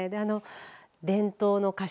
伝統の歌詞